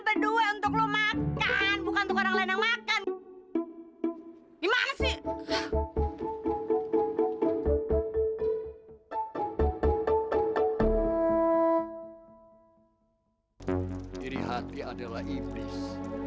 berdua untuk lu makan bukan untuk orang lain yang makan gimana sih diri hati adalah iblis